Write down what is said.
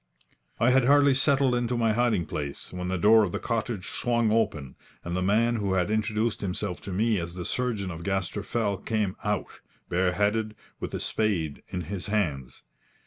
I had hardly settled into my hiding place, when the door of the cottage swung open, and the man who had introduced himself to me as the surgeon of Gaster Fell came out, bareheaded, with a spade in his hands.